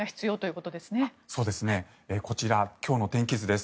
こちら、今日の天気図です。